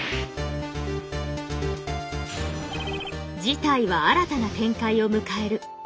事態は新たな展開を迎える。